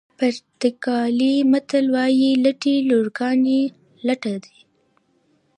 پرتګالي متل وایي لټې لورګانې لټه دي.